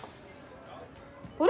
あれ！？